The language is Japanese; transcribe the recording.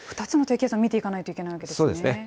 ２つの低気圧を見ていかないといけないわけですね。